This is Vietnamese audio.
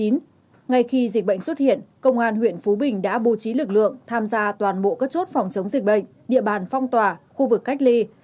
ngay khi dịch bệnh xuất hiện công an huyện phú bình đã bố trí lực lượng tham gia toàn bộ các chốt phòng chống dịch bệnh địa bàn phong tỏa khu vực cách ly